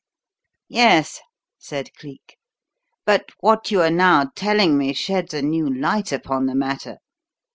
"Yes," said Cleek. "But what you are now telling me sheds a new light upon the matter.